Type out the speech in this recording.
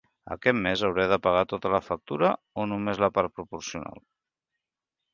Aquest més hauré de pagar tota la factura, o només la part proporcional?